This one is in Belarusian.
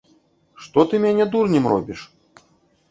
Што ты мяне дурнем робіш?!